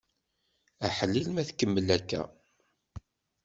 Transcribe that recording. Aḥlil ma tkemmel akka!